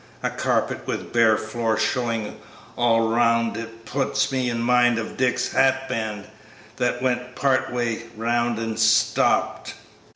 A carpet with bare floor showing all 'round it puts me in mind of Dick's hat band that went part way 'round and stopped."